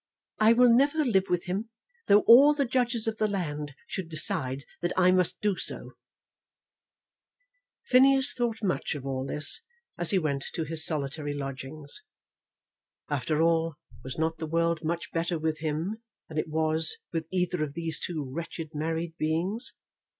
I will never live with him though all the judges of the land should decide that I must do so." Phineas thought much of all this as he went to his solitary lodgings. After all, was not the world much better with him than it was with either of those two wretched married beings?